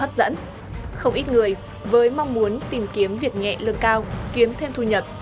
hấp dẫn không ít người với mong muốn tìm kiếm việc nhẹ lương cao kiếm thêm thu nhập